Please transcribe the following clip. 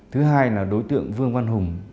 thứ hai là đối tượng vương văn hùng